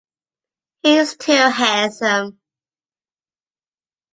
He is too handsome.